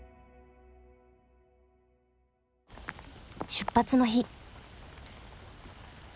出発の日。